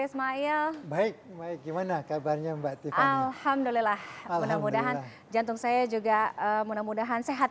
ismail baik baik gimana kabarnya mbak ti alhamdulillah mudah mudahan jantung saya juga mudah mudahan sehat